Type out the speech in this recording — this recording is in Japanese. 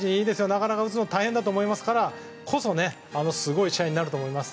なかなか打つの大変だと思いますからこそ大事な試合になると思います。